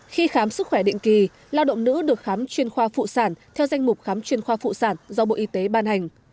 khi khám sức khỏe định kỳ lao động nữ được khám chuyên khoa phụ sản theo danh mục khám chuyên khoa phụ sản do bộ y tế ban hành